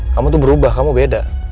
kamu tuh berubah kamu beda